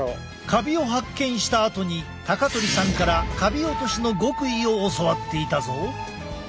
カビを発見したあとに高鳥さんからカビ落としの極意を教わっていたぞ。